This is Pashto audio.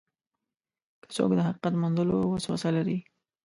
که څوک د حقیقت موندلو وسوسه لري.